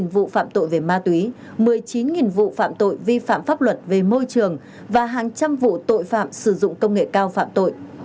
một mươi vụ phạm tội về ma túy một mươi chín vụ phạm tội vi phạm pháp luật về môi trường và hàng trăm vụ tội phạm sử dụng công nghệ cao phạm tội